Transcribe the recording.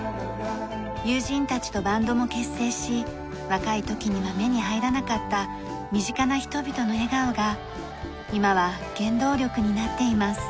友人たちとバンドも結成し若い時には目に入らなかった身近な人々の笑顔が今は原動力になっています。